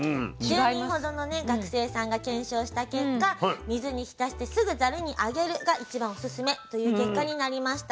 １０人ほどの学生さんが検証した結果「水に浸してすぐざるにあげる」が一番オススメという結果になりました。